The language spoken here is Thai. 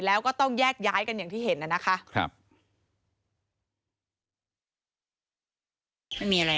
แล้วก็ต้องแยกย้ายกันอย่างที่เห็นน่ะนะคะ